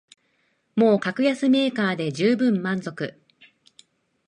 もう格安メーカーでじゅうぶん満足